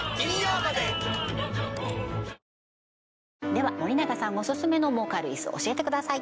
では森永さんオススメの儲かるイス教えてください